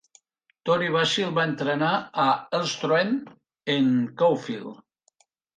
Tony Vasil va entrenar a Elvstroem en Caulfield.